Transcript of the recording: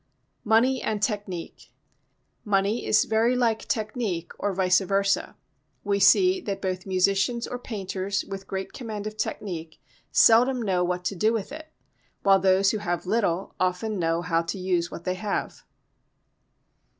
Money and Technique Money is very like technique (or vice versa). We see that both musicians or painters with great command of technique seldom know what to do with it, while those who have little often know how to use what they have.